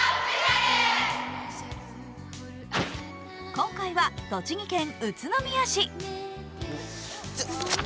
今回は栃木県宇都宮市。